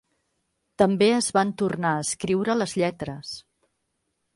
També es van tornar a escriure les lletres.